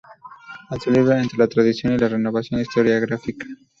En su libro “Entre la tradición y la renovación historiográfica.